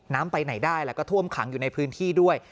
ไปไหนได้แล้วก็ท่วมขังอยู่ในพื้นที่ด้วย